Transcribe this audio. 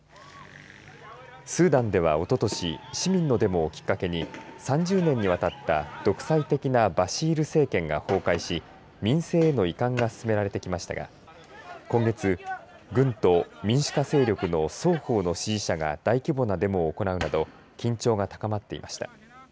スーダンではおととし市民のデモをきっかけに３０年にわたった独裁的なバシール政権が崩壊し民政への移管が進められてきましたが今月、軍と民主化勢力の双方の支持者が大規模なデモを行うなど緊張が高まっていました。